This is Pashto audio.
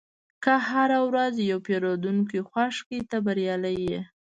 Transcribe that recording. که هره ورځ یو پیرودونکی خوښ کړې، ته بریالی یې.